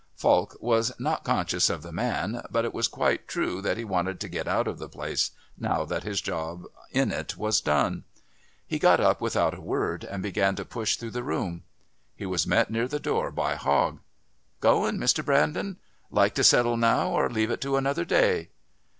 Falk was not conscious of the man, but it was quite true that he wanted to get out of the place now that his job in it was done. He got up without a word and began to push through the room. He was met near the door by Hogg. "Goin', Mr. Brandon? Like to settle now or leave it to another day?"